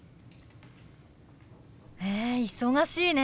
へえ忙しいね。